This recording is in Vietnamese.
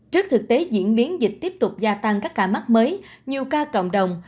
trước thực tế diễn biến dịch tiếp tục gia tăng các ca mắc mới nhiều ca cộng đồng